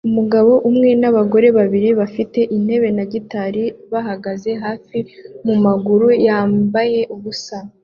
umugabo umwe nabagore babiri bafite intebe na gitari bahagaze hafi mumaguru yambaye ubusa